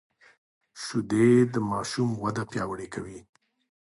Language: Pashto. شیدې د ماشوم وده پیاوړې کوي